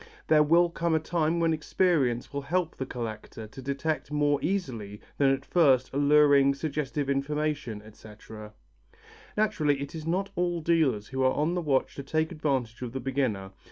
There will come a time when experience will help the collector to detect more easily than at first alluring, suggestive information, etc. Naturally it is not all dealers who are on the watch to take advantage of the beginner.